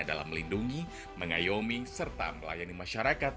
dalam melindungi mengayomi serta melayani masyarakat